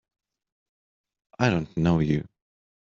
I don't know you!